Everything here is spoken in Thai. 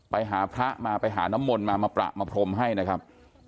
ไปหาพระมาไปหาน้ำมนต์มามาประมาพรมให้นะครับ